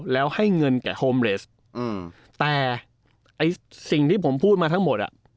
แล้วให้เงินแก่โฮมเลสแต่ไอ้สิ่งที่ผมพูดมาทั้งหมดอ่ะ